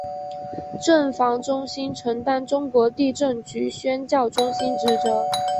震防中心承担中国地震局宣教中心职责。